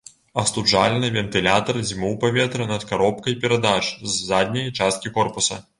Астуджальны вентылятар дзьмуў паветра над каробкай перадач з задняй часткі корпуса.